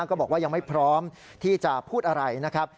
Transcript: ก็บอกว่ายังไม่พร้อมที่จะพูดอะไรนะครับ